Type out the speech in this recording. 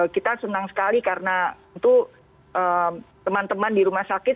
kita senang sekali karena itu teman teman di rumah sakit